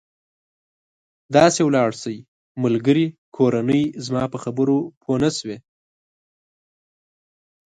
داسې ولاړ شئ، ملګري، کورنۍ، زما په خبرو پوه نه شوې.